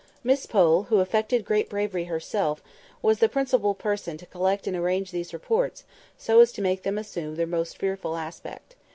Miss Pole, who affected great bravery herself, was the principal person to collect and arrange these reports so as to make them assume their most fearful aspect.